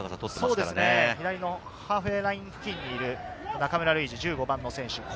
ハーフライン付近にいる中村ルイジ、１５番の選手。